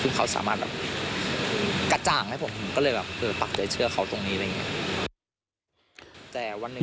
คือเขาสามารถแบบกระจ่างให้ผมผมก็เลยแบบเออปักใจเชื่อเขาตรงนี้อะไรอย่างนี้